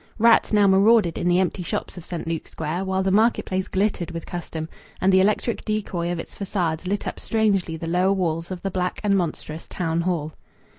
Rats now marauded in the empty shops of St. Luke's Square, while the market place glittered with custom, and the electric decoy of its façades lit up strangely the lower walls of the black and monstrous Town Hall.